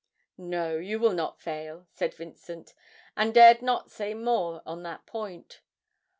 'No, you will not fail,' said Vincent, and dared not say more on that point.